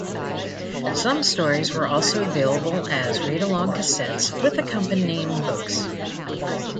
Some stories were also available as read-along cassettes with accompanying books.